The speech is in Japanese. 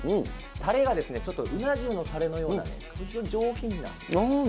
たれがちょっとうな重のたれのような上品な。